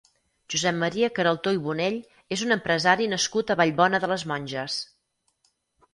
Josep Maria Queraltó i Bonell és un empresari nascut a Vallbona de les Monges.